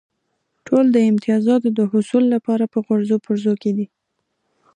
ټول د امتیازاتو د حصول لپاره په غورځو پرځو کې دي.